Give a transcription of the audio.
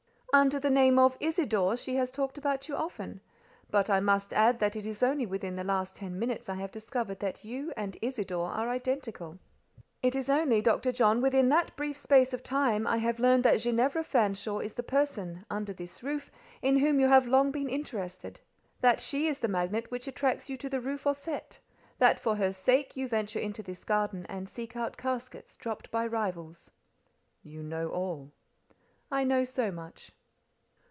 "Under the name of 'Isidore' she has talked about you often; but I must add that it is only within the last ten minutes I have discovered that you and 'Isidore' are identical. It is only, Dr. John, within that brief space of time I have learned that Ginevra Fanshawe is the person, under this roof, in whom you have long been interested—that she is the magnet which attracts you to the Rue Fossette, that for her sake you venture into this garden, and seek out caskets dropped by rivals." "You know all?" "I know so much."